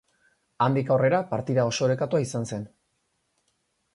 Handik aurrera partida oso orekatua izan zen.